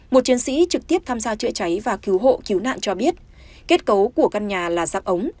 một chiến sĩ trực tiếp tham gia chữa cháy và cứu hộ cứu nạn cho biết kết cấu của căn nhà là dạng ống